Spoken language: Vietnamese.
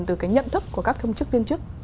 từ cái nhận thức của các công chức viên chức